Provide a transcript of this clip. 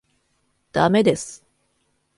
駄目です。